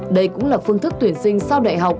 đây cũng là phương thức tuyển sinh sau đại học